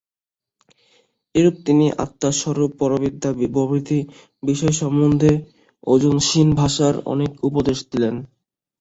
এইরূপে তিনি আত্মার স্বরূপ, পরাবিদ্যা প্রভৃতি বিষয়-সম্বন্ধে ওজস্বিনী ভাষায় অনেক উপদেশ দিলেন।